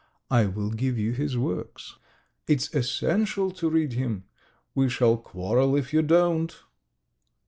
I will give you his works! It's essential to read him! We shall quarrel if you don't!"